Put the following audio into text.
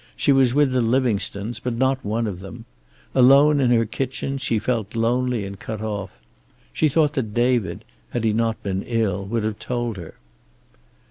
She was with the Livingstones, but not one of them. Alone in her kitchen she felt lonely and cut off. She thought that David, had he not been ill, would have told her.